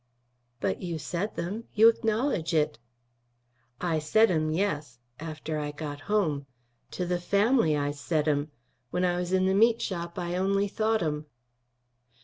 "But you said them. You acknowledge it." "I said 'em, yes after I got home. To the family I said 'em. When I was in the meat shop I only thought 'em."